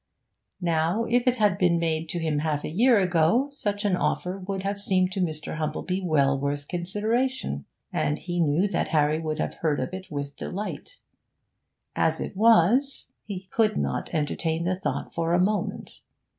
Now, if it had been made to him half a year ago, such an offer would have seemed to Mr. Humplebee well worth consideration, and he knew that Harry would have heard of it with delight; as it was, he could not entertain the thought for a moment.